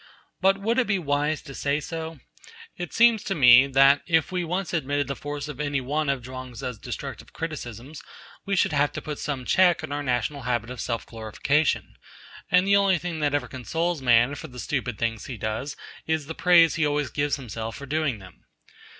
But would it be wise to say so? It seems to me that if we once admitted the force of any one of Chuang Tzu's destructive criticisms we should have to put some check on our national habit of self glorification; and the only thing that ever consoles man for the stupid things he does is the praise he always gives himself for doing them.